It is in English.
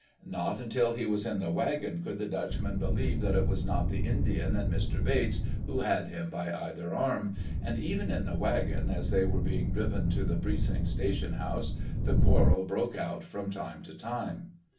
Not until he was in the wagon could the Dutchman believe that it was not the Indian and Mr. Bates who had him by either arm, and even in the wagon, as they were being driven to the precinct station house, the quarrel broke out from time to time.